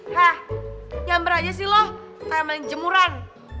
hah nyamper aja sih lo kayak main jemuran